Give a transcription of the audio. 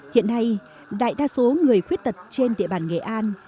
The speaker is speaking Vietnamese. hiện nay đại đa số người khuyết tật trên địa bàn nghệ an